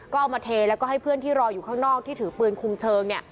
ก็เอามาเทแล้วก็ให้เพื่อนที่รออยู่ข้างนอกที่ถือปืนคุมเชิงเนี่ย